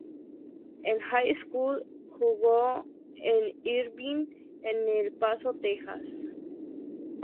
En High School jugó en Irvin en el El Paso, Texas.